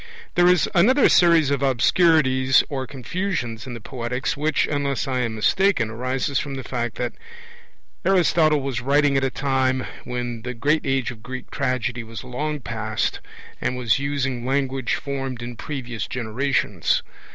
There is another series of obscurities or confusions in the Poetics which, unless I am mistaken, arises from the fact that Aristotle was writing at a time when the great age of Greek tragedy was long past, and was using language formed in previous generations.